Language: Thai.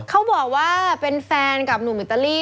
เขาบอกว่าเป็นแฟนกับหนุ่มอิตาลี